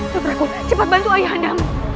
tuhan aku cepat bantu ayah anda